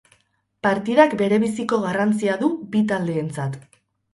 Partidak berebiziko garrantzia du bi taldeentzat.